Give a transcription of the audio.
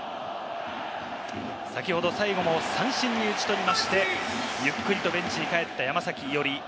先ほど最後も三振に打ち取りまして、ゆっくりとベンチに帰った山崎伊織。